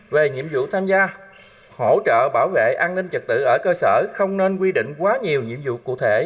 về nhiệm vụ tham gia hỗ trợ bảo vệ an ninh trật tự ở cơ sở không nên quy định quá nhiều nhiệm vụ cụ thể